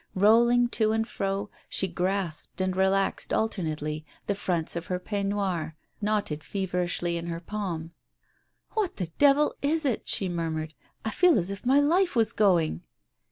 Rolling to and fro, she grasped and relaxed alternately the fronts of her peignoir, knotted feverishly in her palm. "What the divil is it?" she murmured. "I feel as if my life was going